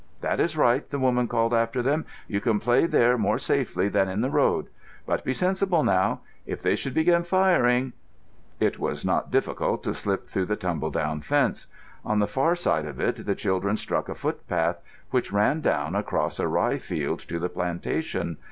"That is right," the woman called after them. "You can play there more safely than in the road. But be sensible now; if they should begin firing——" It was not difficult to slip through the tumble down fence. On the far side of it the children struck a footpath which ran down across a rye field to the plantation.